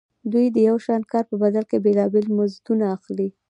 دوی د یو شان کار په بدل کې بېلابېل مزدونه اخلي